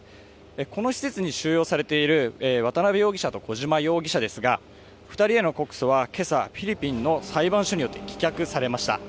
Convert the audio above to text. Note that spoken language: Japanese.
この施設に収容されている渡辺容疑者と小島容疑者ですが２人への告訴は今朝、フィリピンの裁判所によって棄却されました。